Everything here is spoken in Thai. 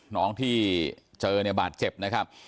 น้องที่เจอเนี่ยบาดเจ็บนะครับ